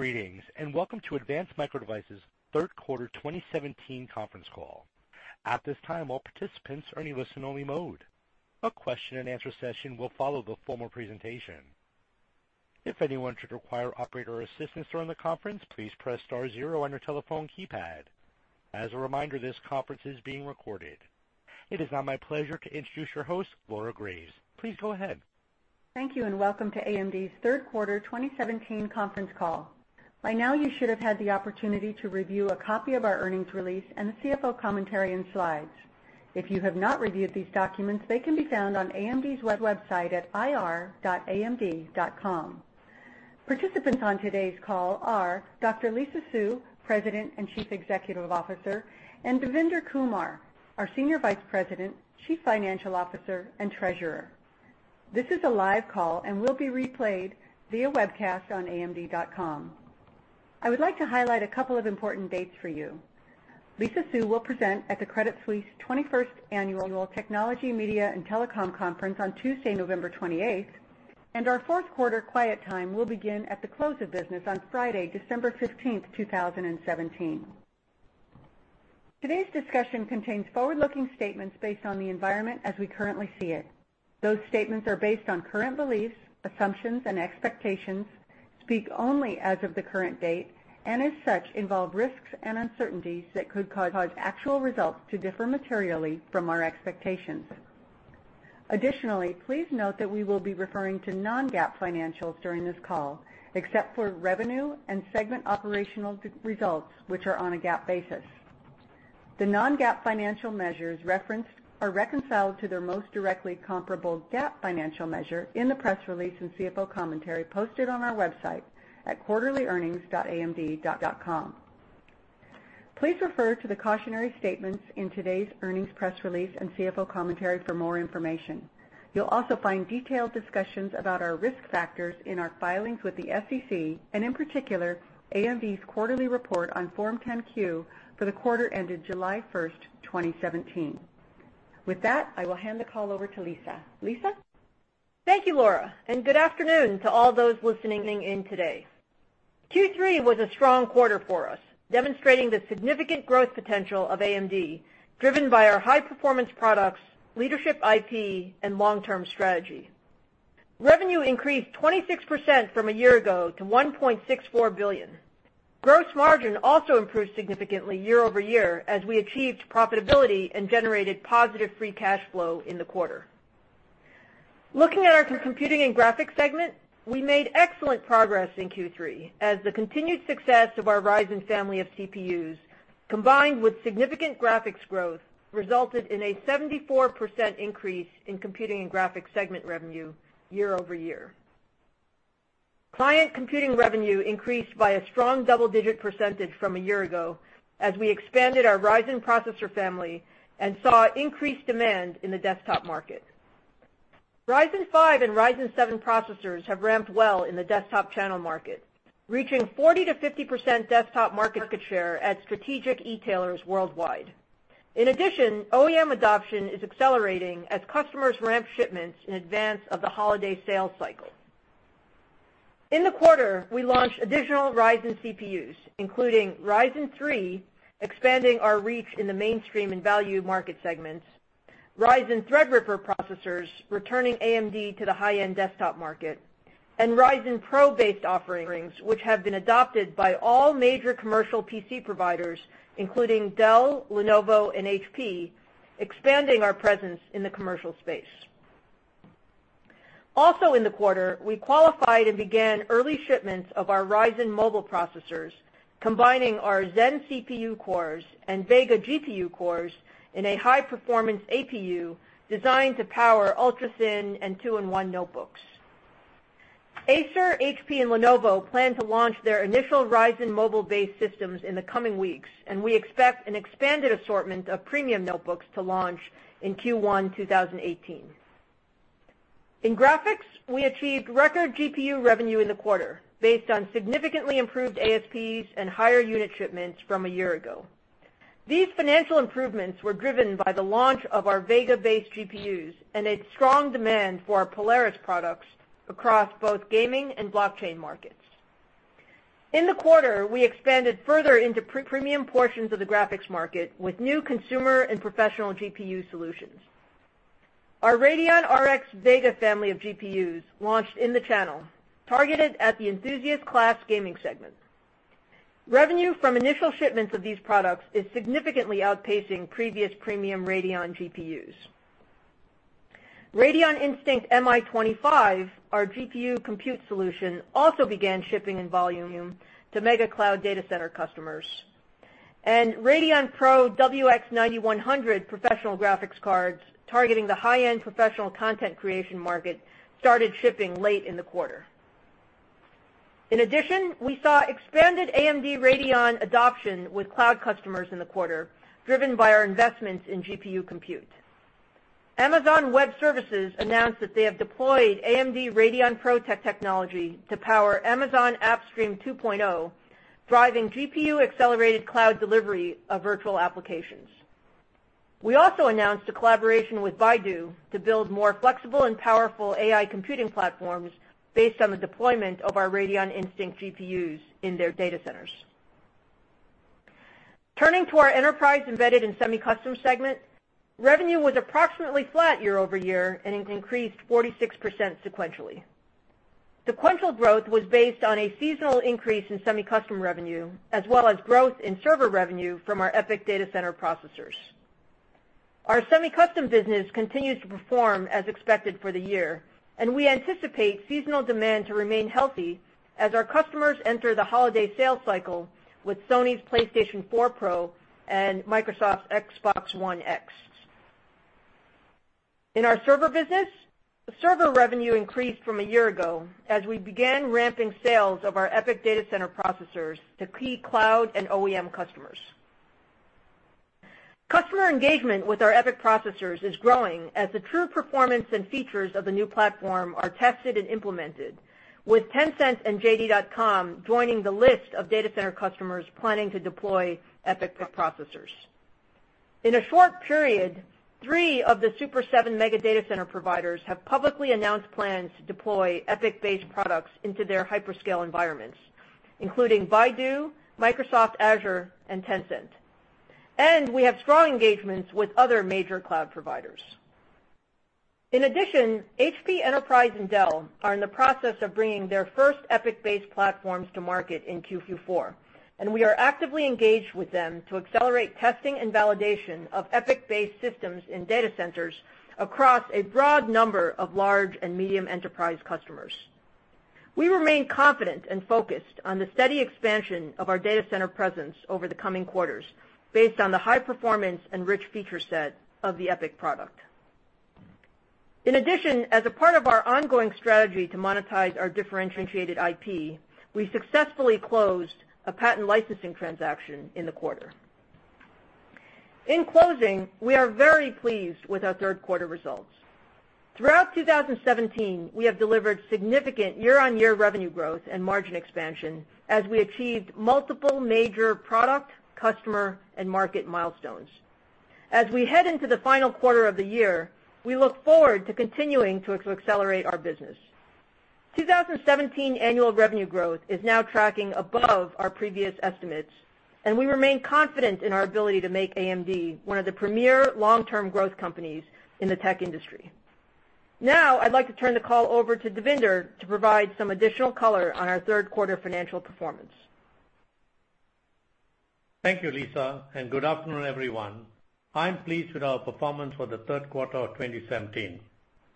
Greetings, and welcome to Advanced Micro Devices' third quarter 2017 conference call. At this time, all participants are in listen-only mode. A question and answer session will follow the formal presentation. If anyone should require operator assistance during the conference, please press star zero on your telephone keypad. As a reminder, this conference is being recorded. It is now my pleasure to introduce your host, Laura Graves. Please go ahead. Thank you, and welcome to AMD's third quarter 2017 conference call. By now you should have had the opportunity to review a copy of our earnings release and the CFO commentary and slides. If you have not reviewed these documents, they can be found on AMD's website at ir.amd.com. Participants on today's call are Dr. Lisa Su, President and Chief Executive Officer, and Devinder Kumar, our Senior Vice President, Chief Financial Officer, and Treasurer. This is a live call and will be replayed via webcast on amd.com. I would like to highlight a couple of important dates for you. Lisa Su will present at the Credit Suisse 21st Annual Technology, Media, and Telecom Conference on Tuesday, November 28th, and our fourth quarter quiet time will begin at the close of business on Friday, December 15th, 2017. Today's discussion contains forward-looking statements based on the environment as we currently see it. Those statements are based on current beliefs, assumptions, and expectations, speak only as of the current date, and as such, involve risks and uncertainties that could cause actual results to differ materially from our expectations. Additionally, please note that we will be referring to non-GAAP financials during this call, except for revenue and segment operational results, which are on a GAAP basis. The non-GAAP financial measures referenced are reconciled to their most directly comparable GAAP financial measure in the press release and CFO commentary posted on our website at quarterlyearnings.amd.com. Please refer to the cautionary statements in today's earnings press release and CFO commentary for more information. You'll also find detailed discussions about our risk factors in our filings with the SEC, and in particular, AMD's quarterly report on Form 10-Q for the quarter ended July 1st, 2017. With that, I will hand the call over to Lisa. Lisa? Thank you, Laura, and good afternoon to all those listening in today. Q3 was a strong quarter for us, demonstrating the significant growth potential of AMD, driven by our high-performance products, leadership IP, and long-term strategy. Revenue increased 26% from a year ago to $1.64 billion. Gross margin also improved significantly year-over-year as we achieved profitability and generated positive free cash flow in the quarter. Looking at our Computing and Graphics segment, we made excellent progress in Q3 as the continued success of our Ryzen family of CPUs, combined with significant graphics growth, resulted in a 74% increase in Computing and Graphics segment revenue year-over-year. Client computing revenue increased by a strong double-digit % from a year ago as we expanded our Ryzen processor family and saw increased demand in the desktop market. Ryzen 5 and Ryzen 7 processors have ramped well in the desktop channel market, reaching 40%-50% desktop market share at strategic e-tailers worldwide. In addition, OEM adoption is accelerating as customers ramp shipments in advance of the holiday sales cycle. In the quarter, we launched additional Ryzen CPUs, including Ryzen 3, expanding our reach in the mainstream and value market segments, Ryzen Threadripper processors, returning AMD to the high-end desktop market, and Ryzen PRO-based offerings, which have been adopted by all major commercial PC providers, including Dell, Lenovo, and HP, expanding our presence in the commercial space. Also in the quarter, we qualified and began early shipments of our Ryzen Mobile processors, combining our Zen CPU cores and Vega GPU cores in a high-performance APU designed to power ultra-thin and two-in-one notebooks. Acer, HP, and Lenovo plan to launch their initial Ryzen Mobile-based systems in the coming weeks, and we expect an expanded assortment of premium notebooks to launch in Q1 2018. In graphics, we achieved record GPU revenue in the quarter based on significantly improved ASPs and higher unit shipments from a year ago. These financial improvements were driven by the launch of our Vega-based GPUs and a strong demand for our Polaris products across both gaming and blockchain markets. In the quarter, we expanded further into premium portions of the graphics market with new consumer and professional GPU solutions. Our Radeon RX Vega family of GPUs launched in the channel targeted at the enthusiast class gaming segment. Revenue from initial shipments of these products is significantly outpacing previous premium Radeon GPUs. Radeon Instinct MI25, our GPU compute solution, also began shipping in volume to mega cloud data center customers. Radeon PRO WX 9100 professional graphics cards targeting the high-end professional content creation market started shipping late in the quarter. In addition, we saw expanded AMD Radeon adoption with cloud customers in the quarter, driven by our investments in GPU compute. Amazon Web Services announced that they have deployed AMD Radeon PRO technology to power Amazon AppStream 2.0, driving GPU-accelerated cloud delivery of virtual applications. We also announced a collaboration with Baidu to build more flexible and powerful AI computing platforms based on the deployment of our Radeon Instinct GPUs in their data centers. Turning to our Enterprise, Embedded and Semi-Custom segment, revenue was approximately flat year-over-year and increased 46% sequentially. Sequential growth was based on a seasonal increase in semi-custom revenue, as well as growth in server revenue from our EPYC data center processors. Our semi-custom business continues to perform as expected for the year, and we anticipate seasonal demand to remain healthy as our customers enter the holiday sales cycle with Sony's PlayStation 4 Pro and Microsoft's Xbox One X. In our server business, server revenue increased from a year ago as we began ramping sales of our EPYC data center processors to key cloud and OEM customers. Customer engagement with our EPYC processors is growing as the true performance and features of the new platform are tested and implemented, with Tencent and JD.com joining the list of data center customers planning to deploy EPYC processors. In a short period, three of the Super Seven mega data center providers have publicly announced plans to deploy EPYC-based products into their hyperscale environments, including Baidu, Microsoft Azure, and Tencent. We have strong engagements with other major cloud providers. In addition, HP Enterprise and Dell are in the process of bringing their first EPYC-based platforms to market in Q4, and we are actively engaged with them to accelerate testing and validation of EPYC-based systems in data centers across a broad number of large and medium enterprise customers. We remain confident and focused on the steady expansion of our data center presence over the coming quarters, based on the high performance and rich feature set of the EPYC product. In addition, as a part of our ongoing strategy to monetize our differentiated IP, we successfully closed a patent licensing transaction in the quarter. In closing, we are very pleased with our third quarter results. Throughout 2017, we have delivered significant year-on-year revenue growth and margin expansion as we achieved multiple major product, customer, and market milestones. We head into the final quarter of the year, we look forward to continuing to accelerate our business. 2017 annual revenue growth is now tracking above our previous estimates, and we remain confident in our ability to make AMD one of the premier long-term growth companies in the tech industry. Now, I'd like to turn the call over to Devinder to provide some additional color on our third quarter financial performance. Thank you, Lisa, and good afternoon, everyone. I'm pleased with our performance for the third quarter of 2017.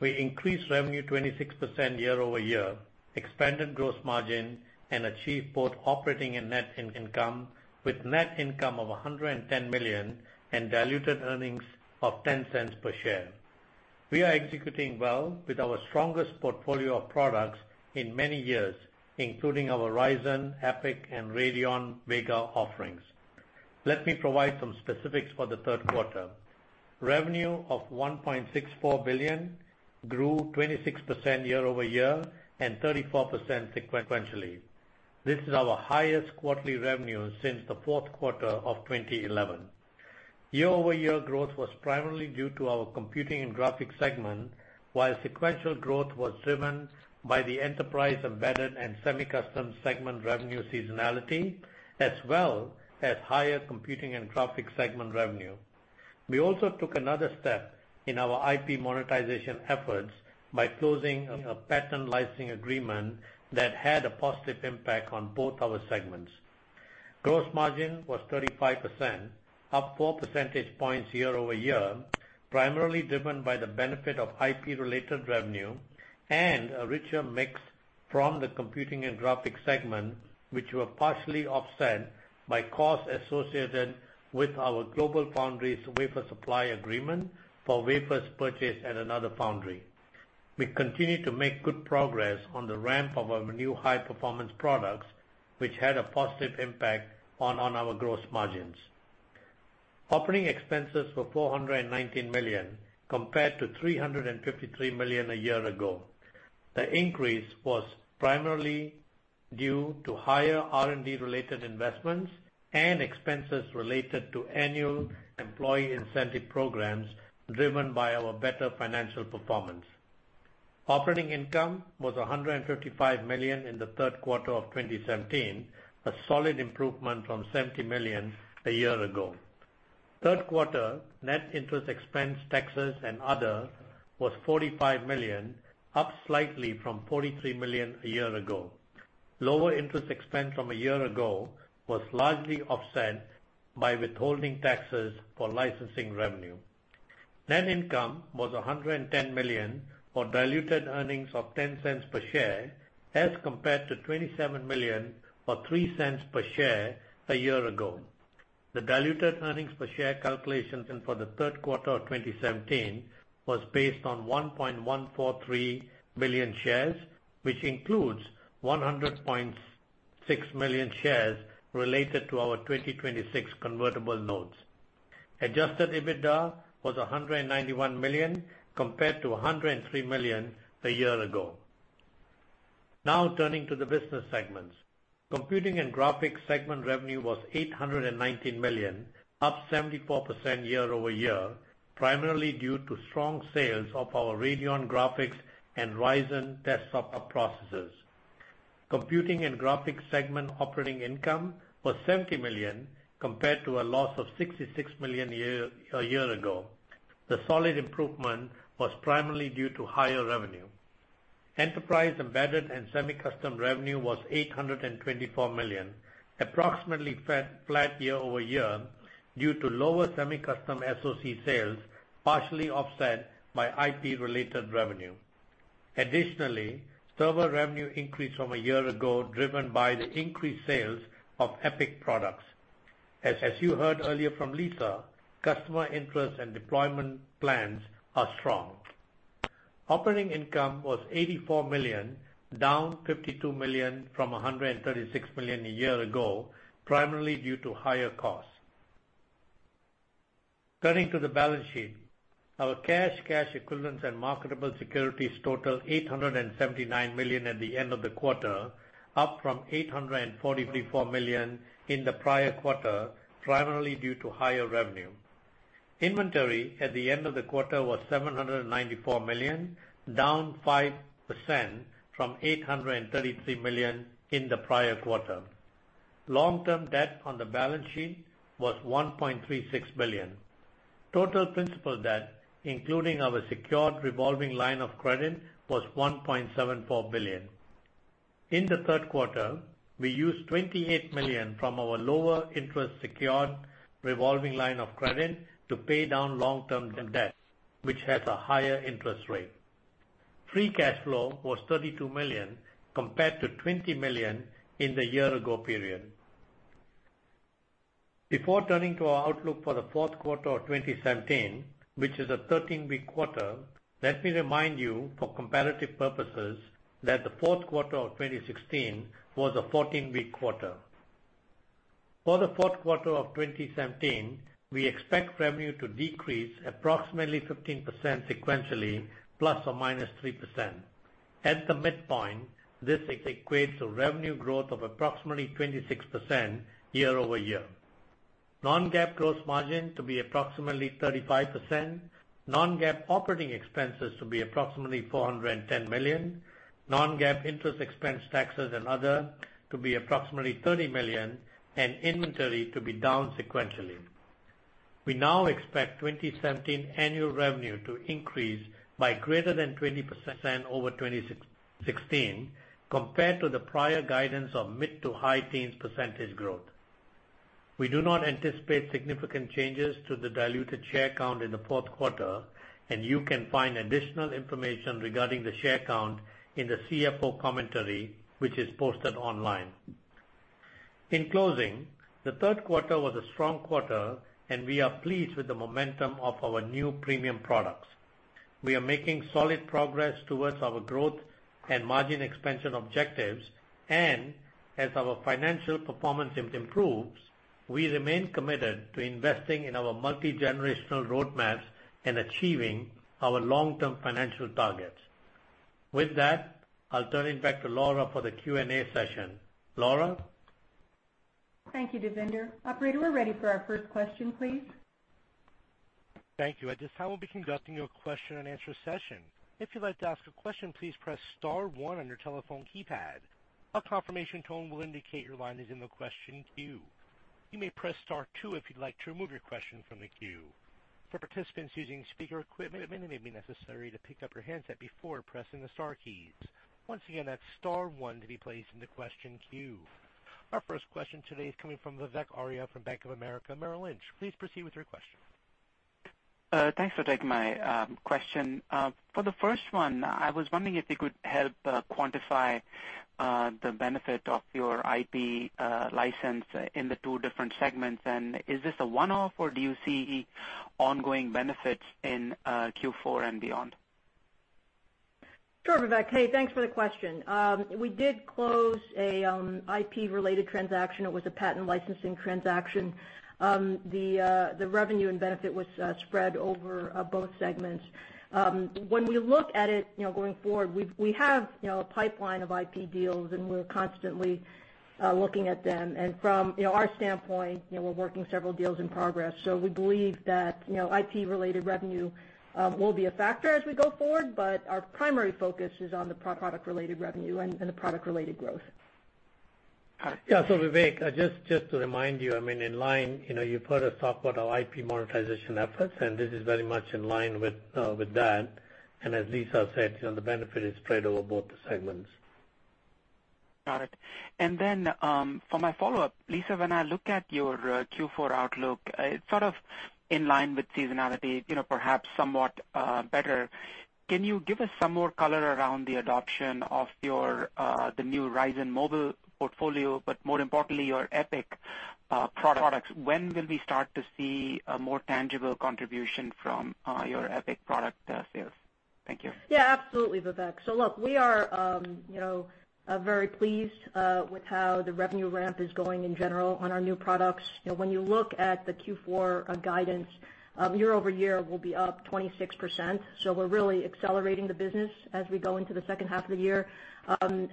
We increased revenue 26% year-over-year, expanded gross margin, and achieved both operating and net income, with net income of $110 million and diluted earnings of $0.10 per share. We are executing well with our strongest portfolio of products in many years, including our Ryzen, EPYC, and Radeon Vega offerings. Let me provide some specifics for the third quarter. Revenue of $1.64 billion grew 26% year-over-year and 34% sequentially. This is our highest quarterly revenue since the fourth quarter of 2011. Year-over-year growth was primarily due to our Computing and Graphics Segment, while sequential growth was driven by the Enterprise-Embedded and Semi-Custom Segment revenue seasonality, as well as higher Computing and Graphics Segment revenue. We also took another step in our IP monetization efforts by closing a patent licensing agreement that had a positive impact on both our segments. Gross margin was 35%, up four percentage points year-over-year, primarily driven by the benefit of IP-related revenue and a richer mix from the Computing and Graphics Segment, which were partially offset by costs associated with our GlobalFoundries wafer supply agreement for wafers purchased at another foundry. We continue to make good progress on the ramp of our new high-performance products, which had a positive impact on our gross margins. Operating expenses were $419 million, compared to $353 million a year ago. The increase was primarily due to higher R&D-related investments and expenses related to annual employee incentive programs driven by our better financial performance. Operating income was $155 million in the third quarter of 2017, a solid improvement from $70 million a year ago. Third-quarter net interest expense, taxes, and other was $45 million, up slightly from $43 million a year ago. Lower interest expense from a year ago was largely offset by withholding taxes for licensing revenue. Net income was $110 million, or diluted earnings of $0.10 per share, as compared to $27 million, or $0.03 per share a year ago. The diluted earnings per share calculations for the third quarter of 2017 was based on 1.143 billion shares, which includes 100.6 million shares related to our 2026 convertible notes. Adjusted EBITDA was $191 million, compared to $103 million a year ago. Turning to the business segments. Computing and Graphics segment revenue was $819 million, up 74% year-over-year, primarily due to strong sales of our Radeon graphics and Ryzen desktop processors. Computing and Graphics segment operating income was $70 million compared to a loss of $66 million a year ago. The solid improvement was primarily due to higher revenue. Enterprise, Embedded and Semi-Custom revenue was $824 million, approximately flat year-over-year due to lower semi-custom SoC sales, partially offset by IP-related revenue. Additionally, server revenue increased from a year ago, driven by the increased sales of EPYC products. As you heard earlier from Lisa, customer interest and deployment plans are strong. Operating income was $84 million, down $52 million from $136 million a year ago, primarily due to higher costs. Turning to the balance sheet. Our cash equivalents, and marketable securities total $879 million at the end of the quarter, up from $844 million in the prior quarter, primarily due to higher revenue. Inventory at the end of the quarter was $794 million, down 5% from $833 million in the prior quarter. Long-term debt on the balance sheet was $1.36 billion. Total principal debt, including our secured revolving line of credit, was $1.74 billion. In the third quarter, we used $28 million from our lower interest secured revolving line of credit to pay down long-term debt, which has a higher interest rate. Free cash flow was $32 million compared to $20 million in the year-ago period. Before turning to our outlook for the fourth quarter of 2017, which is a 13-week quarter, let me remind you for comparative purposes that the fourth quarter of 2016 was a 14-week quarter. For the fourth quarter of 2017, we expect revenue to decrease approximately 15% sequentially, ±3%. At the midpoint, this equates to revenue growth of approximately 26% year-over-year. Non-GAAP gross margin to be approximately 35%, non-GAAP operating expenses to be approximately $410 million, non-GAAP interest expense taxes and other to be approximately $30 million, and inventory to be down sequentially. We now expect 2017 annual revenue to increase by greater than 20% over 2016 compared to the prior guidance of mid to high teens percentage growth. We do not anticipate significant changes to the diluted share count in the fourth quarter. You can find additional information regarding the share count in the CFO commentary, which is posted online. In closing, the third quarter was a strong quarter, and we are pleased with the momentum of our new premium products. We are making solid progress towards our growth and margin expansion objectives, and as our financial performance improves, we remain committed to investing in our multi-generational roadmaps and achieving our long-term financial targets. With that, I'll turn it back to Laura for the Q&A session. Laura? Thank you, Devinder. Operator, we're ready for our first question, please. Thank you. At this time, we'll be conducting a question and answer session. If you'd like to ask a question, please press *1 on your telephone keypad. A confirmation tone will indicate your line is in the question queue. You may press *2 if you'd like to remove your question from the queue. For participants using speaker equipment, it may be necessary to pick up your handset before pressing the star keys. Once again, that's *1 to be placed in the question queue. Our first question today is coming from Vivek Arya from Bank of America Merrill Lynch. Please proceed with your question. Thanks for taking my question. For the first one, I was wondering if you could help quantify the benefit of your IP license in the two different segments. Is this a one-off, or do you see ongoing benefits in Q4 and beyond? Sure, Vivek. Hey, thanks for the question. We did close a IP-related transaction. It was a patent licensing transaction. The revenue and benefit was spread over both segments. When we look at it going forward, we have a pipeline of IP deals, and we're constantly looking at them. From our standpoint, we're working several deals in progress. We believe that IP-related revenue will be a factor as we go forward, but our primary focus is on the product-related revenue and the product-related growth. Vivek, just to remind you, I mean, in line, you put a software IP monetization efforts, and this is very much in line with that. As Lisa said, the benefit is spread over both segments. Got it. For my follow-up, Lisa, when I look at your Q4 outlook, it's sort of in line with seasonality, perhaps somewhat better. Can you give us some more color around the adoption of the new Ryzen Mobile portfolio, but more importantly, your EPYC products? When will we start to see a more tangible contribution from your EPYC product sales? Thank you. Yeah, absolutely, Vivek. Look, we are very pleased with how the revenue ramp is going in general on our new products. When you look at the Q4 guidance, year-over-year, we'll be up 26%. We're really accelerating the business as we go into the second half of the year.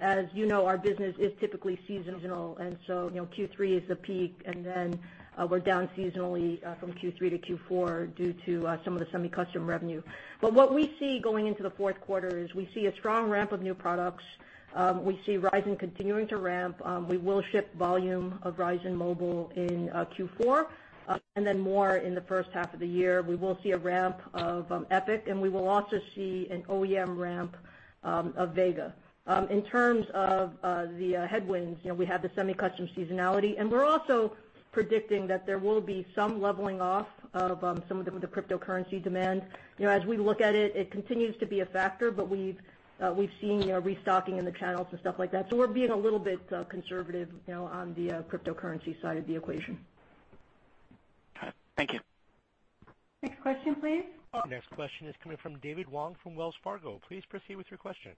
As you know, our business is typically seasonal, Q3 is the peak, we're down seasonally from Q3 to Q4 due to some of the semi-custom revenue. What we see going into the fourth quarter is we see a strong ramp of new products. We see Ryzen continuing to ramp. We will ship volume of Ryzen Mobile in Q4, then more in the first half of the year. We will see a ramp of EPYC, and we will also see an OEM ramp of Vega. In terms of the headwinds, we have the semi-custom seasonality, and we're also predicting that there will be some leveling off of some of the cryptocurrency demand. As we look at it continues to be a factor, but we've seen restocking in the channels and stuff like that. We're being a little bit conservative on the cryptocurrency side of the equation. Got it. Thank you. Next question, please. Next question is coming from David Wong from Wells Fargo. Please proceed with your question.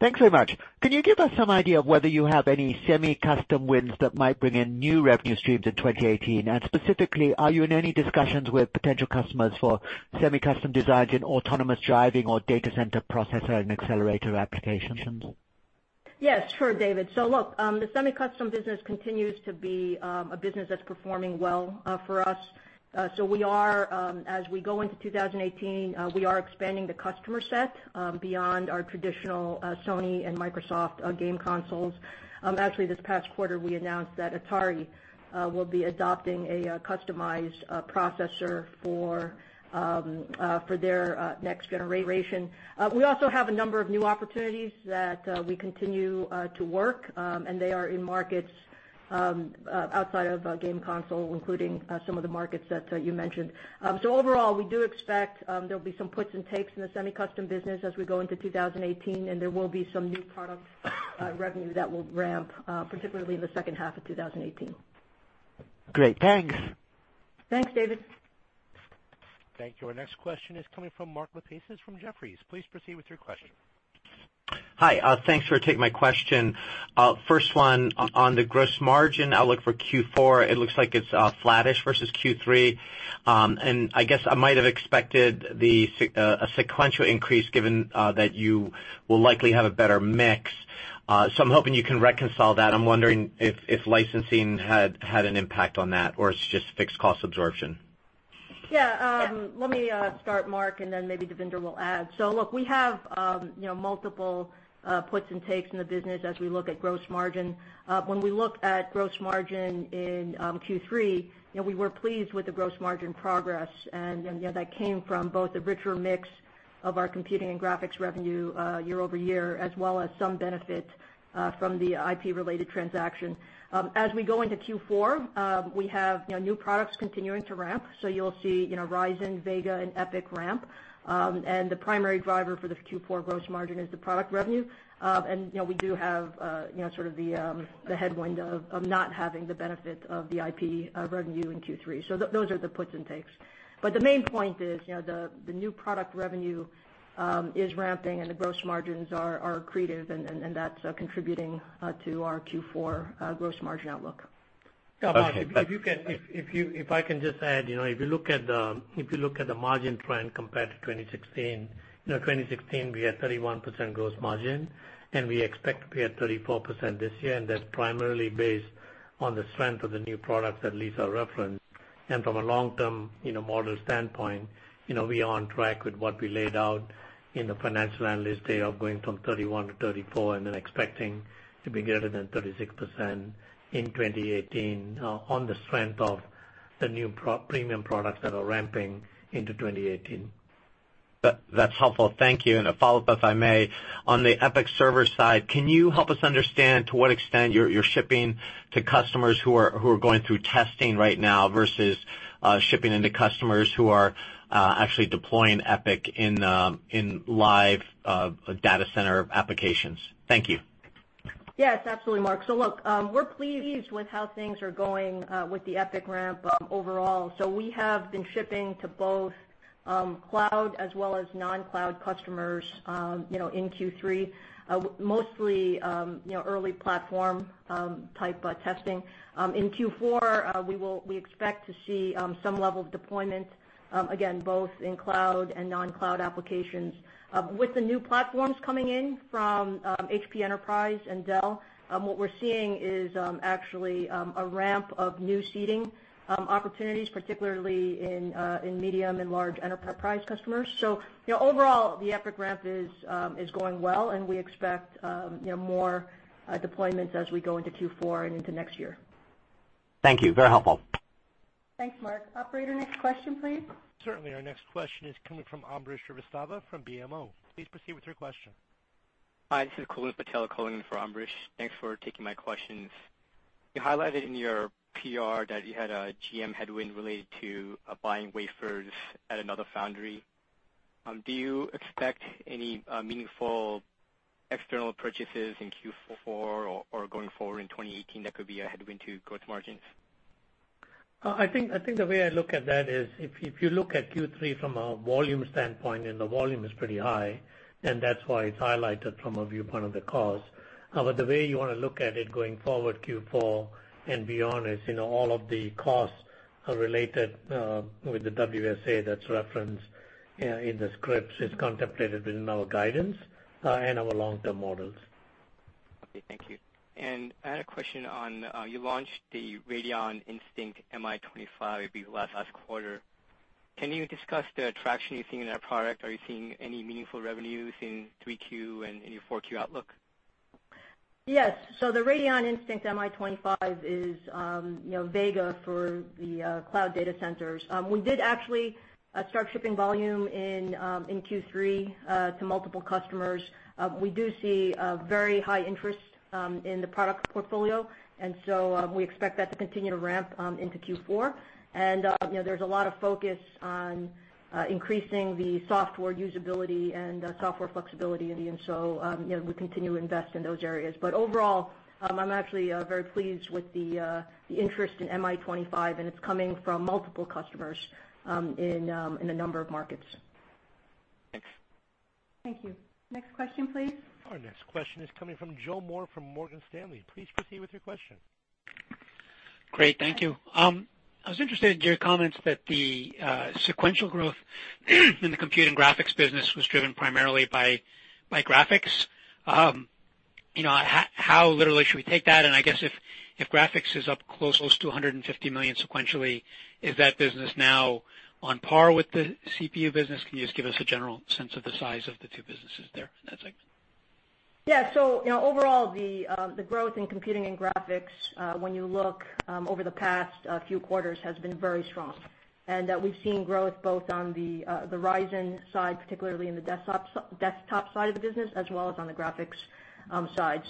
Thanks very much. Can you give us some idea of whether you have any semi-custom wins that might bring in new revenue streams in 2018? Specifically, are you in any discussions with potential customers for semi-custom designs in autonomous driving or data center processor and accelerator applications? Yes, sure, David. Look, the semi-custom business continues to be a business that's performing well for us. As we go into 2018, we are expanding the customer set beyond our traditional Sony and Microsoft game consoles. Actually, this past quarter, we announced that Atari will be adopting a customized processor for their next generation. We also have a number of new opportunities that we continue to work, and they are in markets outside of game console, including some of the markets that you mentioned. Overall, we do expect there'll be some puts and takes in the semi-custom business as we go into 2018, and there will be some new product revenue that will ramp, particularly in the second half of 2018. Great. Thanks. Thanks, David. Thank you. Our next question is coming from Mark Lipacis from Jefferies. Please proceed with your question. Hi. Thanks for taking my question. First one, on the gross margin outlook for Q4, it looks like it's flattish versus Q3. I guess I might have expected a sequential increase, given that you will likely have a better mix. I'm hoping you can reconcile that. I'm wondering if licensing had an impact on that, or it's just fixed cost absorption. Let me start, Mark, and then maybe Devinder will add. Look, we have multiple puts and takes in the business as we look at gross margin. When we look at gross margin in Q3, we were pleased with the gross margin progress, and that came from both the richer mix of our computing and graphics revenue year-over-year, as well as some benefit from the IP-related transaction. As we go into Q4, we have new products continuing to ramp. You'll see Ryzen, Vega, and EPYC ramp. The primary driver for the Q4 gross margin is the product revenue. We do have sort of the headwind of not having the benefit of the IP revenue in Q3. Those are the puts and takes. The main point is the new product revenue is ramping and the gross margins are accretive, and that's contributing to our Q4 gross margin outlook. Okay. Mark, if I can just add, if you look at the margin trend compared to 2016, we had 31% gross margin. We expect to be at 34% this year, and that's primarily based on the strength of the new products that Lisa referenced. From a long-term model standpoint, we are on track with what we laid out in the financial analyst day of going from 31%-34%, and then expecting to be greater than 36% in 2018 on the strength of the new premium products that are ramping into 2018. That's helpful. Thank you. A follow-up, if I may. On the EPYC server side, can you help us understand to what extent you're shipping to customers who are going through testing right now versus shipping into customers who are actually deploying EPYC in live data center applications? Thank you. Yes, absolutely, Mark. Look, we're pleased with how things are going with the EPYC ramp overall. We have been shipping to both cloud as well as non-cloud customers in Q3, mostly early platform-type testing. In Q4, we expect to see some level of deployment, again, both in cloud and non-cloud applications. With the new platforms coming in from HP Enterprise and Dell, what we're seeing is actually a ramp of new seeding opportunities, particularly in medium and large enterprise customers. Overall, the EPYC ramp is going well, and we expect more deployments as we go into Q4 and into next year. Thank you. Very helpful. Thanks, Mark. Operator, next question, please. Certainly. Our next question is coming from Ambrish Srivastava from BMO. Please proceed with your question. Hi, this is Kulwant Patel calling in for Ambrish. Thanks for taking my questions. You highlighted in your PR that you had a GM headwind related to buying wafers at another foundry. Do you expect any meaningful external purchases in Q4 or going forward in 2018 that could be a headwind to gross margins? I think the way I look at that is, if you look at Q3 from a volume standpoint, the volume is pretty high, that's why it's highlighted from a viewpoint of the cost. The way you want to look at it going forward, Q4 and beyond, is all of the costs are related with the WSA that's referenced in the scripts is contemplated within our guidance and our long-term models. I had a question on, you launched the Radeon Instinct MI25 I believe last quarter. Can you discuss the traction you're seeing in that product? Are you seeing any meaningful revenues in 3Q and in your 4Q outlook? Yes. The Radeon Instinct MI25 is Vega for the cloud data centers. We did actually start shipping volume in Q3 to multiple customers. We do see very high interest in the product portfolio, we expect that to continue to ramp into Q4. There's a lot of focus on increasing the software usability and software flexibility, we continue to invest in those areas. Overall, I'm actually very pleased with the interest in MI25, and it's coming from multiple customers in a number of markets. Thanks. Thank you. Next question, please. Our next question is coming from Joseph Moore from Morgan Stanley. Please proceed with your question. Great. Thank you. I was interested in your comments that the sequential growth in the Computing and Graphics business was driven primarily by graphics. How literally should we take that? I guess if graphics is up close to $150 million sequentially, is that business now on par with the CPU business? Can you just give us a general sense of the size of the two businesses there in that segment? Yeah. Overall, the growth in computing and graphics, when you look over the past few quarters, has been very strong, and that we've seen growth both on the Ryzen side, particularly in the desktop side of the business, as well as on the graphics side.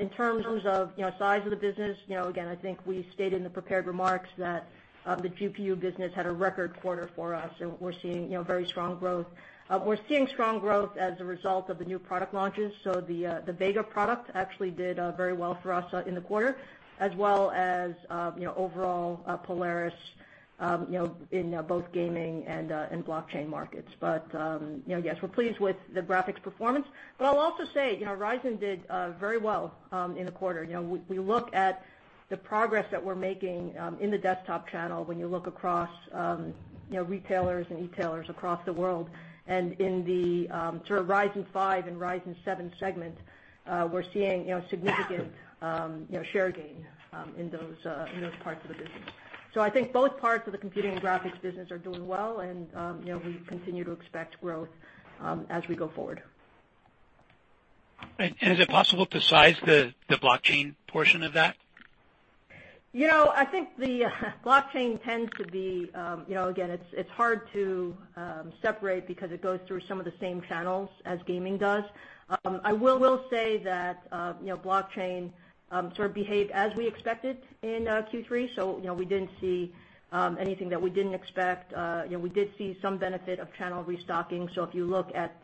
In terms of size of the business, again, I think we stated in the prepared remarks that the GPU business had a record quarter for us, and we're seeing very strong growth. We're seeing strong growth as a result of the new product launches. The Vega product actually did very well for us in the quarter, as well as overall Polaris, in both gaming and blockchain markets. Yes, we're pleased with the graphics performance. I'll also say, Ryzen did very well in the quarter. We look at the progress that we're making in the desktop channel when you look across retailers and e-tailers across the world. In the sort of Ryzen 5 and Ryzen 7 segment, we're seeing significant share gain in those parts of the business. I think both parts of the computing and graphics business are doing well, and we continue to expect growth as we go forward. Is it possible to size the blockchain portion of that? I think the blockchain tends to be, again, it's hard to separate because it goes through some of the same channels as gaming does. I will say that blockchain sort of behaved as we expected in Q3. We didn't see anything that we didn't expect. We did see some benefit of channel restocking. If you look at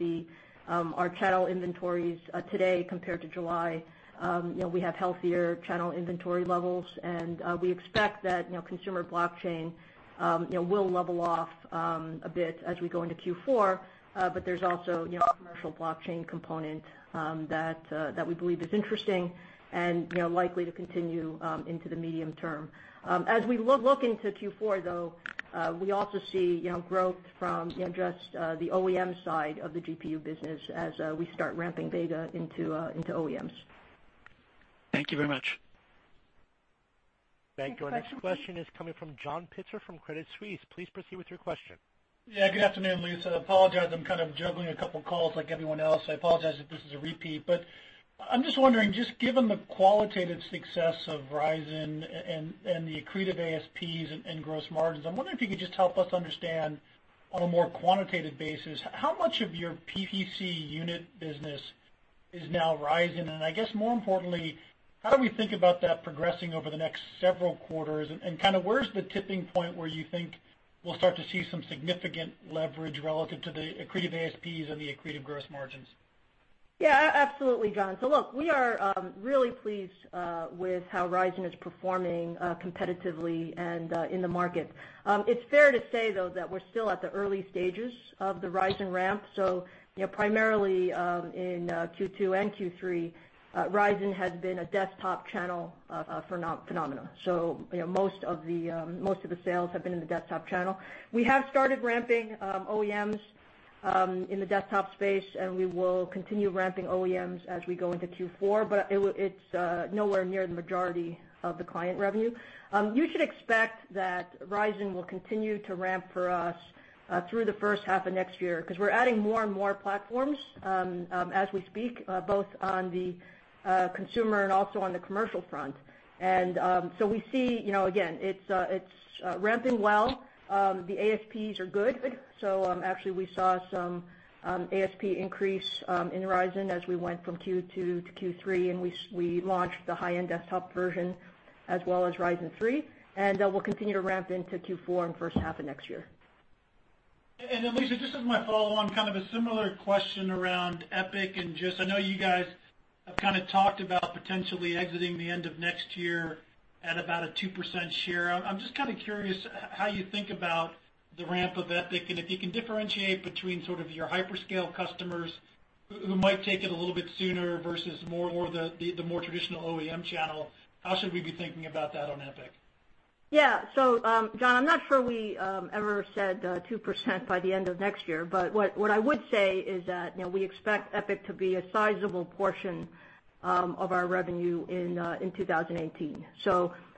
our channel inventories today compared to July, we have healthier channel inventory levels, and we expect that consumer blockchain will level off a bit as we go into Q4. There's also a commercial blockchain component that we believe is interesting and likely to continue into the medium term. As we look into Q4, though, we also see growth from just the OEM side of the GPU business as we start ramping data into OEMs. Thank you very much. Thank you. Thank you. Our next question is coming from John Pitzer from Credit Suisse. Please proceed with your question. Good afternoon, Lisa. Apologize, I'm kind of juggling a couple of calls like everyone else. I apologize if this is a repeat, but I'm just wondering, just given the qualitative success of Ryzen and the accretive ASPs and gross margins, I'm wondering if you could just help us understand on a more quantitative basis, how much of your PC unit business is now Ryzen? I guess more importantly, how do we think about that progressing over the next several quarters, and kind of where's the tipping point where you think we'll start to see some significant leverage relative to the accretive ASPs and the accretive gross margins? Absolutely, John. Look, we are really pleased with how Ryzen is performing competitively and in the market. It's fair to say, though, that we're still at the early stages of the Ryzen ramp, primarily in Q2 and Q3, Ryzen has been a desktop channel phenomenon. Most of the sales have been in the desktop channel. We have started ramping OEMs in the desktop space, we will continue ramping OEMs as we go into Q4, but it's nowhere near the majority of the client revenue. You should expect that Ryzen will continue to ramp for us through the first half of next year, because we're adding more and more platforms as we speak, both on the consumer and also on the commercial front. We see, again, it's ramping well. The ASPs are good. Actually we saw some ASP increase in Ryzen as we went from Q2 to Q3, we launched the high-end desktop version, as well as Ryzen 3, we'll continue to ramp into Q4 and first half of next year. Lisa, just as my follow on, a similar question around EPYC, I know you guys have talked about potentially exiting the end of next year at about a 2% share. I'm just curious how you think about the ramp of EPYC, and if you can differentiate between your hyperscale customers who might take it a little bit sooner versus the more traditional OEM channel. How should we be thinking about that on EPYC? Yeah. John, I'm not sure we ever said 2% by the end of next year, but what I would say is that we expect EPYC to be a sizable portion of our revenue in 2018.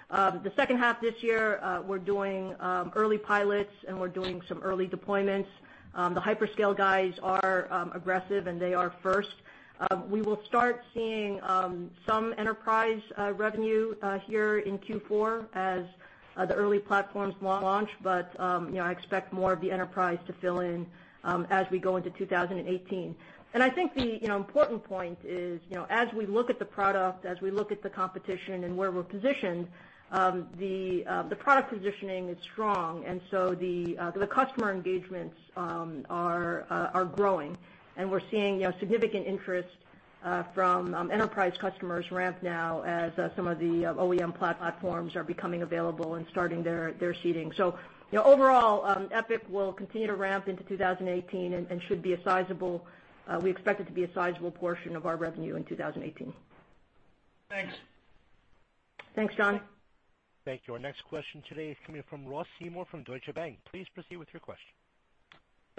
The second half this year we're doing early pilots, and we're doing some early deployments. The hyperscale guys are aggressive, and they are first. We will start seeing some enterprise revenue here in Q4 as the early platforms launch. I expect more of the enterprise to fill in as we go into 2018. I think the important point is, as we look at the product, as we look at the competition and where we're positioned, the product positioning is strong. The customer engagements are growing, and we're seeing significant interest from enterprise customers ramp now as some of the OEM platforms are becoming available and starting their seeding. Overall, EPYC will continue to ramp into 2018 and we expect it to be a sizable portion of our revenue in 2018. Thanks. Thanks, John. Thank you. Our next question today is coming from Ross Seymore from Deutsche Bank. Please proceed with your question. Hi,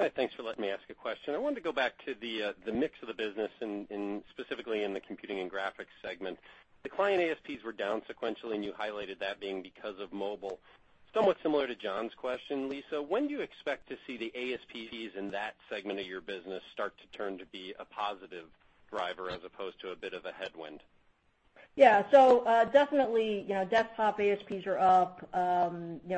thanks for letting me ask a question. I wanted to go back to the mix of the business and specifically in the computing and graphics segment. The client ASPs were down sequentially. You highlighted that being because of mobile. Somewhat similar to John's question, Lisa, when do you expect to see the ASPs in that segment of your business start to turn to be a positive driver as opposed to a bit of a headwind? Definitely, desktop ASPs are up,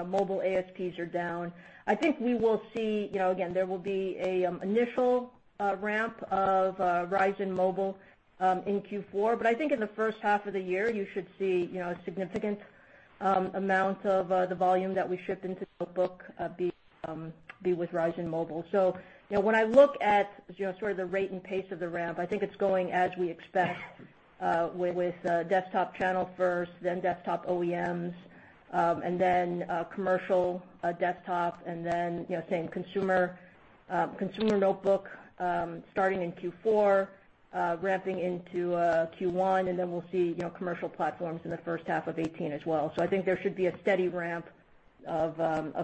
mobile ASPs are down. I think we will see, again, there will be an initial ramp of Ryzen Mobile in Q4, but I think in the first half of the year, you should see a significant amount of the volume that we shipped into notebook be with Ryzen Mobile. When I look at sort of the rate and pace of the ramp, I think it's going as we expect with desktop channel first, then desktop OEMs, and then commercial desktop, and then same consumer notebook starting in Q4, ramping into Q1, and then we'll see commercial platforms in the first half of 2018 as well. I think there should be a steady ramp of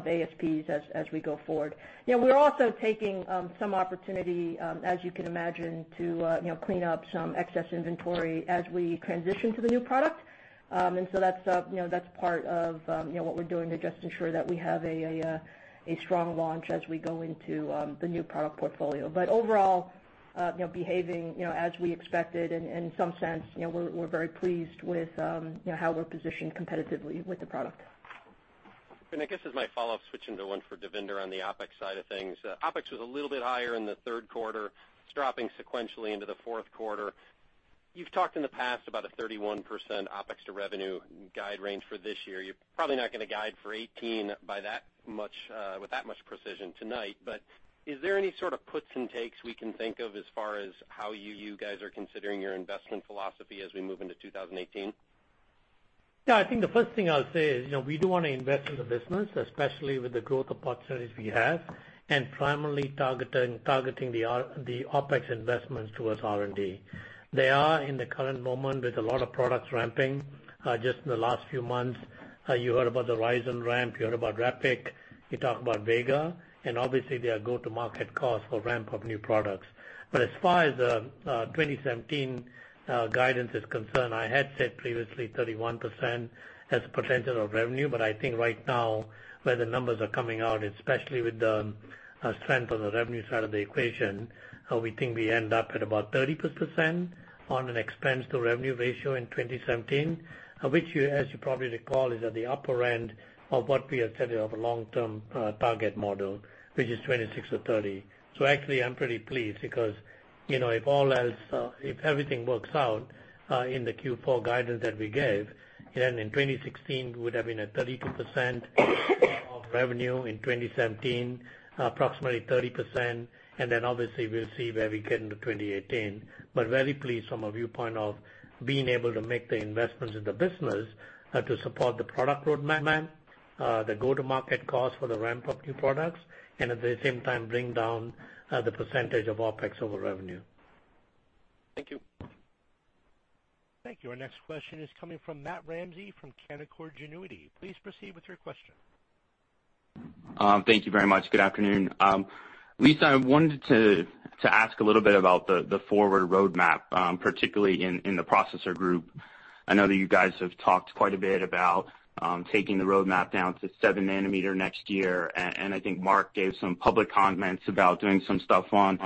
ASPs as we go forward. We're also taking some opportunity, as you can imagine, to clean up some excess inventory as we transition to the new product. That's part of what we're doing to just ensure that we have a strong launch as we go into the new product portfolio. Overall, behaving as we expected and in some sense, we're very pleased with how we're positioned competitively with the product. I guess as my follow-up, switching to one for Devinder on the OpEx side of things. OpEx was a little bit higher in the third quarter. It's dropping sequentially into the fourth quarter. You've talked in the past about a 31% OpEx to revenue guide range for this year. You're probably not going to guide for 2018 with that much precision tonight, but is there any sort of puts and takes we can think of as far as how you guys are considering your investment philosophy as we move into 2018? Yeah, I think the first thing I'll say is, we do want to invest in the business, especially with the growth opportunities we have, and primarily targeting the OpEx investments towards R&D. They are in the current moment with a lot of products ramping. Just in the last few months, you heard about the Ryzen ramp, you heard about EPYC, you talk about Vega, obviously, there are go-to-market costs for ramp of new products. As far as the 2017 guidance is concerned, I had said previously 31% as a percentage of revenue, but I think right now, where the numbers are coming out, especially with the strength on the revenue side of the equation, we think we end up at about 30% on an expense to revenue ratio in 2017, which as you probably recall, is at the upper end of what we are setting of a long-term target model, which is 26%-30%. Actually, I'm pretty pleased because, if everything works out in the Q4 guidance that we gave, then in 2016, we would have been at 32% of revenue, in 2017, approximately 30%, obviously, we'll see where we get into 2018. Very pleased from a viewpoint of being able to make the investments in the business to support the product roadmap, the go-to-market cost for the ramp of new products, and at the same time, bring down the percentage of OpEx over revenue. Thank you. Thank you. Our next question is coming from Matt Ramsay from Canaccord Genuity. Please proceed with your question. Thank you very much. Good afternoon. Lisa, I wanted to ask a little bit about the forward roadmap, particularly in the processor group. I know that you guys have talked quite a bit about taking the roadmap down to seven nanometer next year, I think Mark gave some public comments about doing some stuff on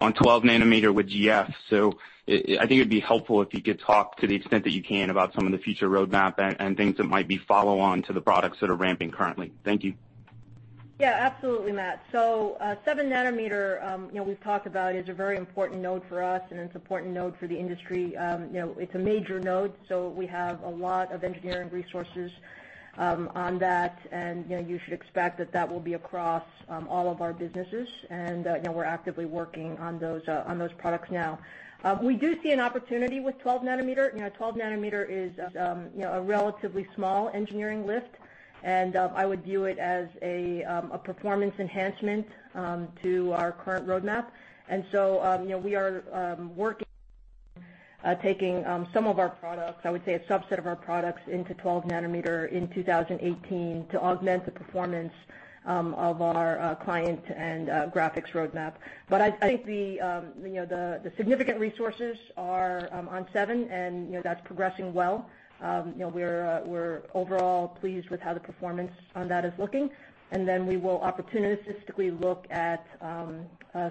12 nanometer with GF. I think it'd be helpful if you could talk to the extent that you can about some of the future roadmap and things that might be follow-on to the products that are ramping currently. Thank you. Absolutely, Matt. Seven nanometer, we've talked about, is a very important node for us, an important node for the industry. It's a major node, we have a lot of engineering resources on that, and you should expect that that will be across all of our businesses. We're actively working on those products now. We do see an opportunity with 12 nanometer. 12 nanometer is a relatively small engineering lift, and I would view it as a performance enhancement to our current roadmap. We are working on taking some of our products, I would say a subset of our products, into 12 nanometer in 2018 to augment the performance of our client and graphics roadmap. I think the significant resources are on seven, and that's progressing well. We're overall pleased with how the performance on that is looking, we will opportunistically look at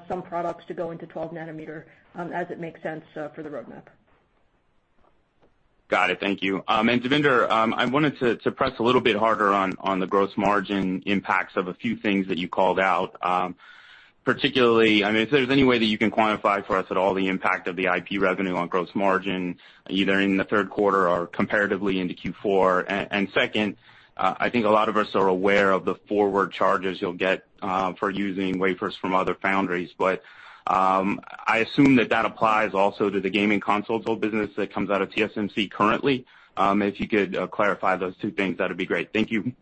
some products to go into 12 nanometer as it makes sense for the roadmap. Got it. Thank you. Devinder, I wanted to press a little bit harder on the gross margin impacts of a few things that you called out. Particularly, if there's any way that you can quantify for us at all the impact of the IP revenue on gross margin, either in the third quarter or comparatively into Q4. Second, I think a lot of us are aware of the forward charges you'll get for using wafers from other foundries. I assume that that applies also to the gaming console business that comes out of TSMC currently. If you could clarify those two things, that'd be great. Thank you.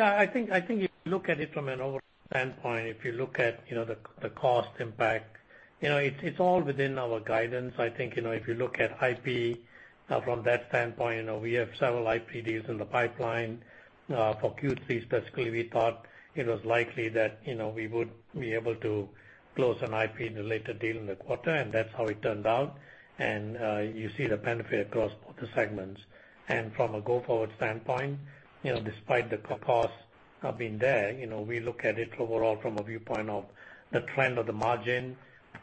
I think if you look at it from an overall standpoint, if you look at the cost impact, it's all within our guidance. I think, if you look at IP from that standpoint, we have several IP deals in the pipeline. For Q3 specifically, we thought it was likely that we would be able to close an IP-related deal in the quarter, and that's how it turned out. You see the benefit across both the segments. From a go-forward standpoint, despite the cost of being there, we look at it overall from a viewpoint of the trend of the margin.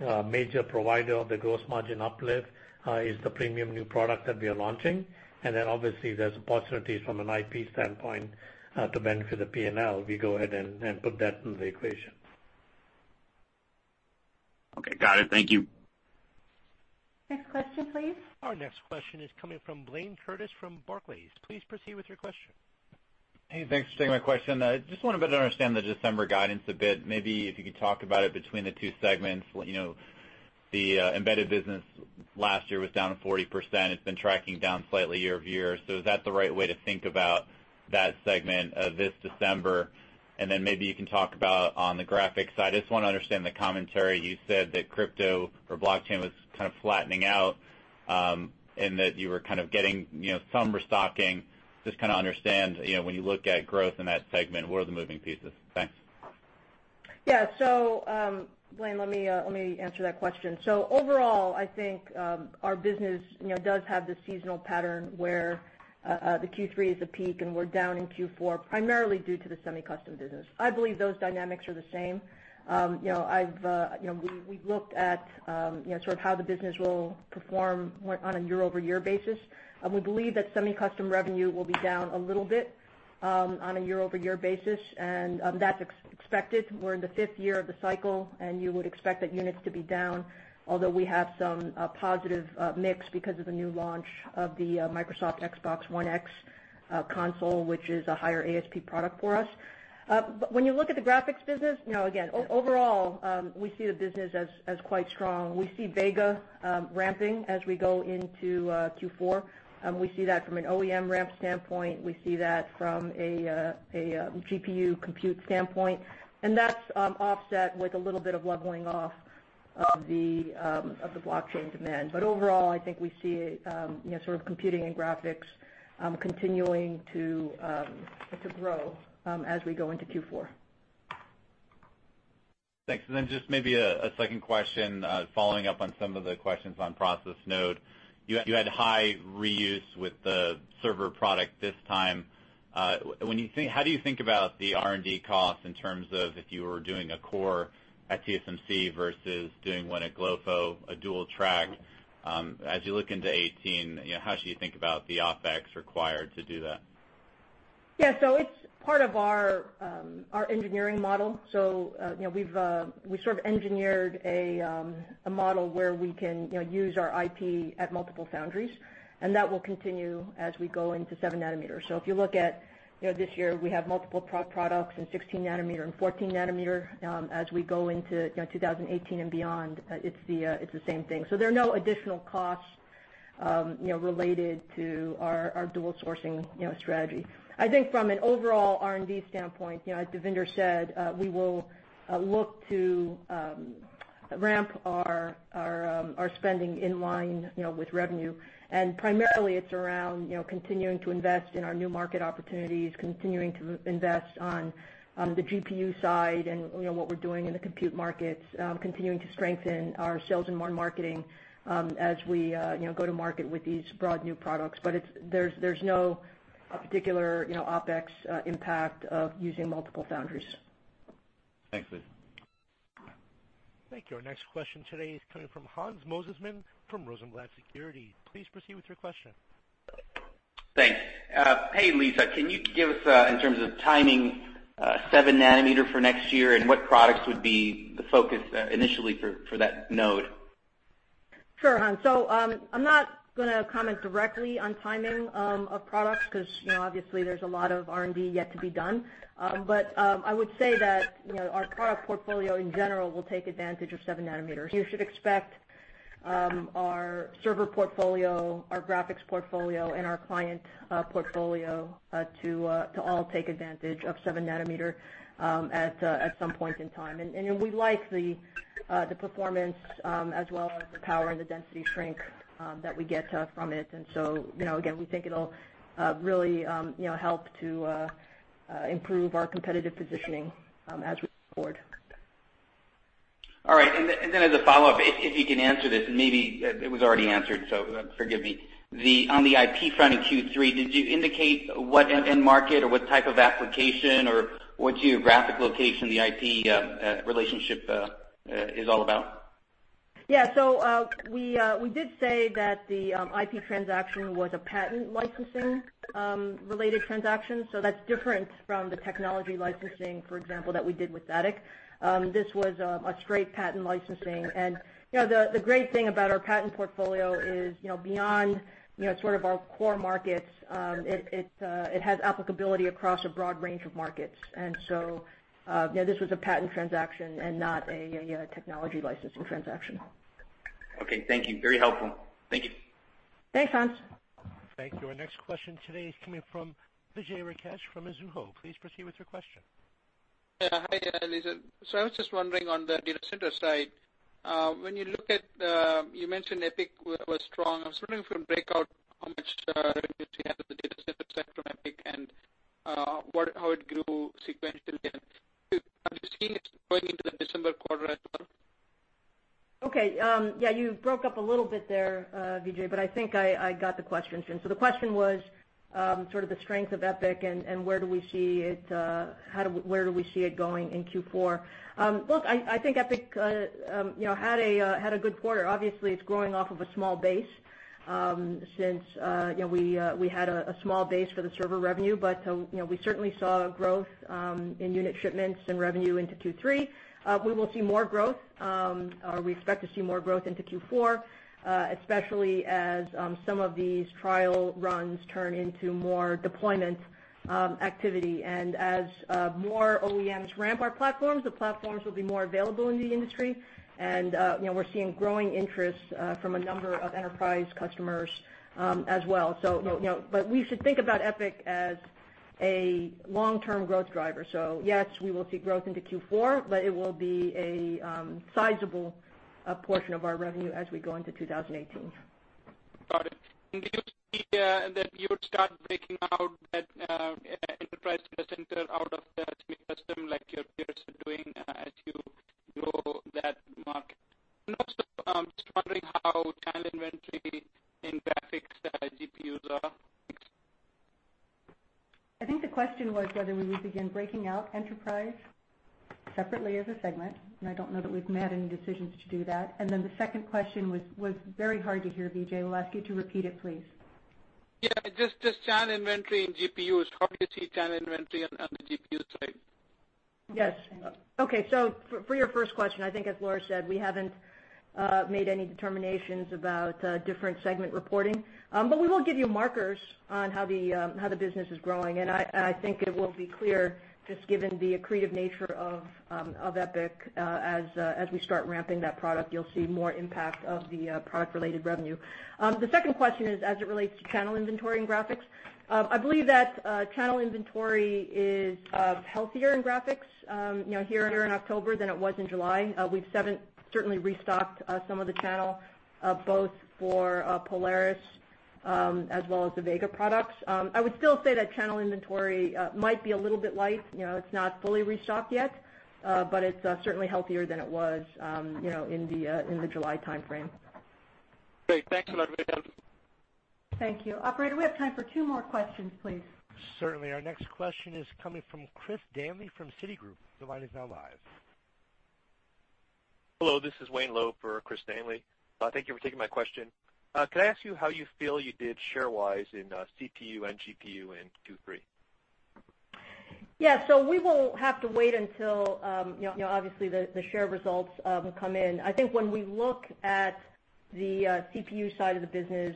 A major provider of the gross margin uplift is the premium new product that we are launching. Then obviously, there's possibilities from an IP standpoint to benefit the P&L. We go ahead and put that into the equation. Got it. Thank you. Next question, please. Our next question is coming from Blayne Curtis from Barclays. Please proceed with your question. Hey, thanks for taking my question. I just wanted to better understand the December guidance a bit. Maybe if you could talk about it between the two segments. The embedded business last year was down 40%. It's been tracking down slightly year-over-year. Is that the right way to think about that segment this December? Then maybe you can talk about on the graphics side, I just want to understand the commentary. You said that crypto or blockchain was kind of flattening out, and that you were kind of getting some restocking. Just kind of understand, when you look at growth in that segment, what are the moving pieces? Thanks. Blayne, let me answer that question. Overall, I think our business does have this seasonal pattern where the Q3 is a peak and we're down in Q4, primarily due to the semi-custom business. I believe those dynamics are the same. We've looked at sort of how the business will perform on a year-over-year basis. We believe that semi-custom revenue will be down a little bit on a year-over-year basis, and that's expected. We're in the fifth year of the cycle, and you would expect the units to be down, although we have some positive mix because of the new launch of the Microsoft Xbox One X console, which is a higher ASP product for us. When you look at the graphics business, again, overall, we see the business as quite strong. We see Vega ramping as we go into Q4. We see that from an OEM ramp standpoint. We see that from a GPU compute standpoint, and that's offset with a little bit of leveling off of the blockchain demand. Overall, I think we see sort of Computing and Graphics continuing to grow as we go into Q4. Thanks. Just maybe a second question, following up on some of the questions on process node. You had high reuse with the server product this time. How do you think about the R&D cost in terms of if you were doing a core at TSMC versus doing one at GloFo, a dual track? As you look into 2018, how should you think about the OpEx required to do that? Yeah. It's part of our engineering model. We've sort of engineered a model where we can use our IP at multiple foundries, and that will continue as we go into 7 nanometer. If you look at this year, we have multiple products in 16 nanometer and 14 nanometer. As we go into 2018 and beyond, it's the same thing. There are no additional costs related to our dual sourcing strategy. I think from an overall R&D standpoint, as Devinder said, we will look to ramp our spending in line with revenue. Primarily, it's around continuing to invest in our new market opportunities, continuing to invest on the GPU side and what we're doing in the compute markets, continuing to strengthen our sales and marketing as we go to market with these broad new products. There's no particular OpEx impact of using multiple foundries. Thanks, Lisa. Thank you. Our next question today is coming from Hans Mosesmann from Rosenblatt Securities. Please proceed with your question. Thanks. Hey, Lisa, can you give us, in terms of timing, seven nanometer for next year, and what products would be the focus initially for that node? Sure, Hans. I'm not going to comment directly on timing of products because obviously there's a lot of R&D yet to be done. I would say that our product portfolio in general will take advantage of seven nanometers. You should expect our server portfolio, our graphics portfolio, and our client portfolio to all take advantage of seven nanometer at some point in time. We like the performance as well as the power and the density shrink that we get from it. Again, we think it'll really help to improve our competitive positioning as we move forward. All right. As a follow-up, if you can answer this, and maybe it was already answered, so forgive me. On the IP front in Q3, did you indicate what end market or what type of application or what geographic location the IP relationship is all about? Yeah. We did say that the IP transaction was a patent licensing related transaction. That's different from the technology licensing, for example, that we did with THATIC. This was a straight patent licensing. The great thing about our patent portfolio is, beyond sort of our core markets, it has applicability across a broad range of markets. This was a patent transaction and not a technology licensing transaction. Okay. Thank you. Very helpful. Thank you. Thanks, Hans. Thank you. Our next question today is coming from Vijay Rakesh from Mizuho. Please proceed with your question. Yeah. Hi, Lisa. I was just wondering on the data center side, you mentioned EPYC was strong. I was wondering if you could break out how much revenue you have in the data center sector on EPYC and how it grew sequentially, and are you seeing it going into the December quarter as well? Okay. Yeah, you broke up a little bit there, Vijay, but I think I got the question. The question was sort of the strength of EPYC and where do we see it going in Q4? Look, I think EPYC had a good quarter. Obviously, it's growing off of a small base since we had a small base for the server revenue. We certainly saw growth in unit shipments and revenue into Q3. We will see more growth, or we expect to see more growth into Q4, especially as some of these trial runs turn into more deployment activity. As more OEMs ramp our platforms, the platforms will be more available in the industry. We're seeing growing interest from a number of enterprise customers as well. We should think about EPYC as a long-term growth driver. Yes, we will see growth into Q4, it will be a sizable portion of our revenue as we go into 2018. Got it. Do you see that you would start breaking out that enterprise data center out of the three custom like your peers are doing as you grow that market? Also, I'm just wondering how channel inventory in graphics GPUs are. I think the question was whether we would begin breaking out enterprise separately as a segment, I don't know that we've made any decisions to do that. Then the second question was very hard to hear, Vijay. We'll ask you to repeat it, please. Yeah, just channel inventory in GPUs. How do you see channel inventory on the GPU side? Yes. Okay. For your first question, I think as Laura said, we haven't made any determinations about different segment reporting. We will give you markers on how the business is growing, and I think it will be clear just given the accretive nature of EPYC. As we start ramping that product, you'll see more impact of the product-related revenue. The second question is as it relates to channel inventory and graphics. I believe that channel inventory is healthier in graphics here in October than it was in July. We've certainly restocked some of the channel, both for Polaris as well as the Vega products. I would still say that channel inventory might be a little bit light. It's not fully restocked yet, but it's certainly healthier than it was in the July timeframe. Great. Thanks a lot. Very helpful. Thank you. Operator, we have time for two more questions, please. Certainly. Our next question is coming from Christopher Danely from Citigroup. The line is now live. Hello, this is Wayne Loeb for Christopher Danely. Thank you for taking my question. Could I ask you how you feel you did share-wise in CPU and GPU in Q3? We will have to wait until obviously the share results come in. I think when we look at the CPU side of the business,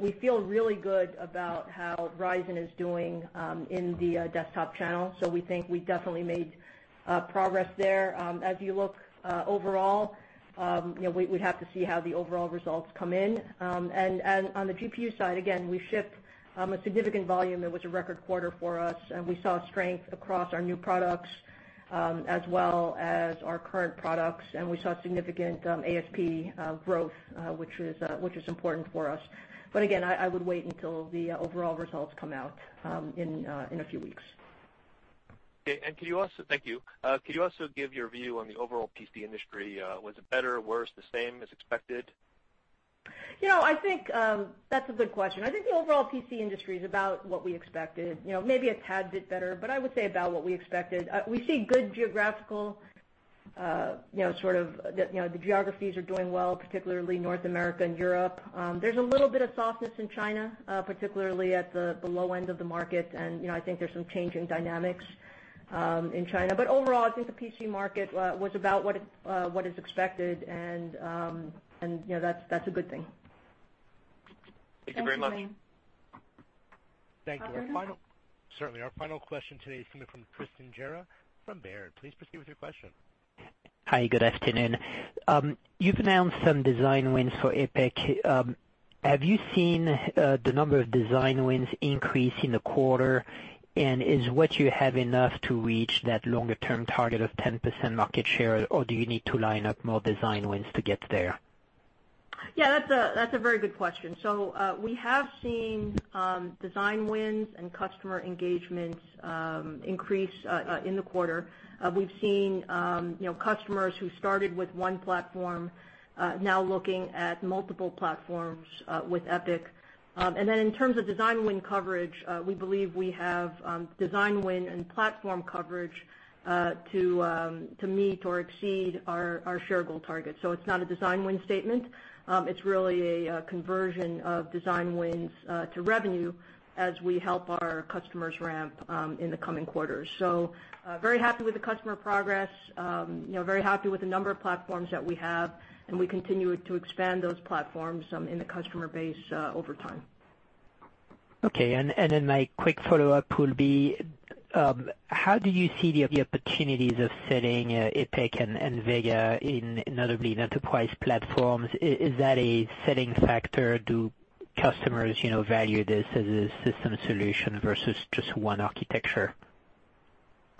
we feel really good about how Ryzen is doing in the desktop channel. We think we definitely made progress there. As you look overall, we'd have to see how the overall results come in. On the GPU side, again, we shipped a significant volume. It was a record quarter for us, and we saw strength across our new products as well as our current products, and we saw significant ASP growth, which is important for us. Again, I would wait until the overall results come out in a few weeks. Okay. Thank you. Could you also give your view on the overall PC industry? Was it better, worse, the same as expected? I think that's a good question. I think the overall PC industry is about what we expected. Maybe a tad bit better, but I would say about what we expected. The geographies are doing well, particularly North America and Europe. There's a little bit of softness in China, particularly at the low end of the market, and I think there's some changing dynamics in China. Overall, I think the PC market was about what is expected, and that's a good thing. Thank you very much. Thanks, Brian. Thank you. Awesome. Certainly. Our final question today is coming from Tristan Gerra from Baird. Please proceed with your question. Hi, good afternoon. You've announced some design wins for EPYC. Have you seen the number of design wins increase in the quarter? Is what you have enough to reach that longer-term target of 10% market share, or do you need to line up more design wins to get there? Yeah, that's a very good question. We have seen design wins and customer engagements increase in the quarter. We've seen customers who started with one platform now looking at multiple platforms with EPYC. In terms of design win coverage, we believe we have design win and platform coverage to meet or exceed our share goal target. It's not a design win statement. It's really a conversion of design wins to revenue as we help our customers ramp in the coming quarters. Very happy with the customer progress. Very happy with the number of platforms that we have, and we continue to expand those platforms in the customer base over time. Okay, my quick follow-up will be, how do you see the opportunities of selling EPYC and Vega in enterprise platforms? Is that a selling factor? Do customers value this as a system solution versus just one architecture?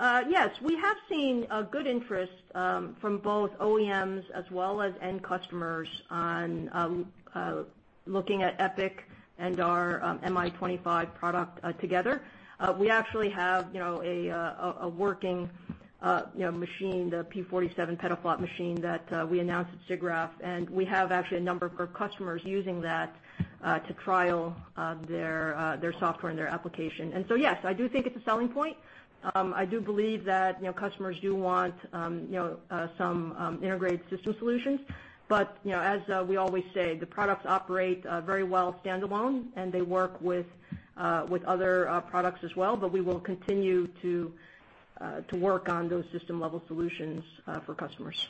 Yes. We have seen a good interest from both OEMs as well as end customers on looking at EPYC and our MI25 product together. We actually have a working machine, the P47 petaflop machine that we announced at SIGGRAPH, and we have actually a number of our customers using that to trial their software and their application. Yes, I do think it's a selling point. I do believe that customers do want some integrated system solutions. As we always say, the products operate very well standalone, and they work with other products as well. We will continue to work on those system-level solutions for customers.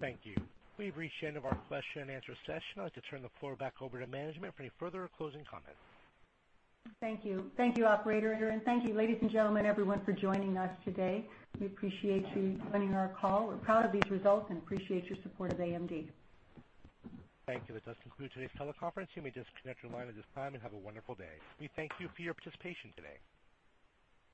Thank you. We've reached the end of our question and answer session. I'd like to turn the floor back over to management for any further closing comments. Thank you. Thank you, operator, thank you, ladies and gentlemen, everyone, for joining us today. We appreciate you joining our call. We're proud of these results and appreciate your support of AMD. Thank you. That does conclude today's teleconference. You may disconnect your line at this time, have a wonderful day. We thank you for your participation today.